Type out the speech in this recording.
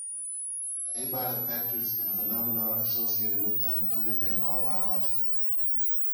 Abiotic factors and the phenomena associated with them underpin all biology.